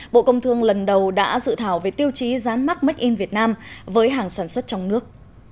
bộ công thương lần đầu đã dự thảo về tiêu chí giám mắc make in việt nam với hàng sản xuất trong nước